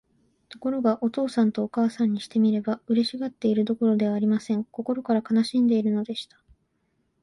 ところが、お父さんとお母さんにしてみれば、嬉しがっているどころではありません。心から悲しんでいるのでした。